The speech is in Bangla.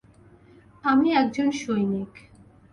আমি একজন সৈনিক।